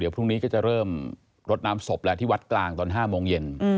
พรุ่งนี้ก็จะเริ่มรดน้ำศพแล้วที่วัดกลางตอน๕โมงเย็น